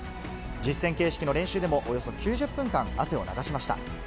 実戦形式の練習でも、およそ９０分間、汗を流しました。